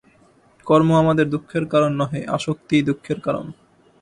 কর্ম আমাদের দুঃখের কারণ নহে, আসক্তিই দুঃখের কারণ।